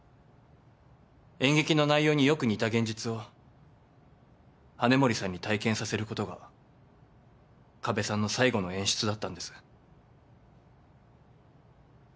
演劇の内容によく似た現実を羽森さんに体験させることが加部さんの最後の演出だったんです。